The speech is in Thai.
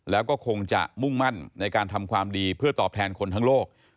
แล้วก็คงจะมุ่งมั่นในการทำความดีเพื่อตอบแทนคนทั้งโลก